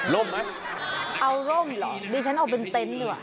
ล่มไหมเอาล่มเหรอดีฉันเอาเป็นเต๊นด้วย